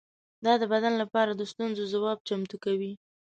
دا د بدن لپاره د ستونزو ځواب چمتو کوي.